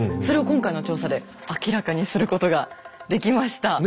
それを今回の調査で明らかにすることができました。